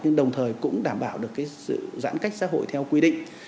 nhưng đồng thời cũng đảm bảo được cái sự giãn cách xã hội theo quy định